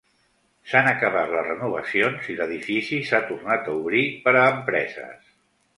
S'han acabat les renovacions i l'edifici s'ha tornat a obrir per a empreses.